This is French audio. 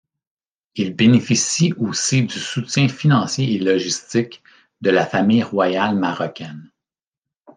Ils bénéficient aussi du soutien financier et logistique de la famille royale marocaine.